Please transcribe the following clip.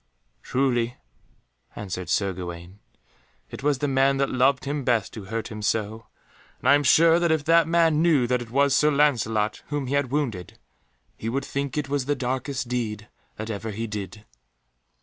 "Truly," answered Sir Gawaine, "it was the man that loved him best who hurt him so, and I am sure that if that man knew that it was Sir Lancelot whom he had wounded, he would think it was the darkest deed that ever he did."